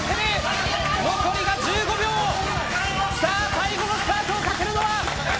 最後のスパートをかけるのは。